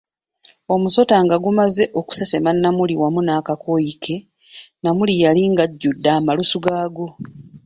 Omusota nga gumaze okusesema Namuli wamu nakakooyi ke, Namuli yali ajjudde amalusu g'aggwo.